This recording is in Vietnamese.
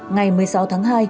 ngày một mươi sáu tháng hai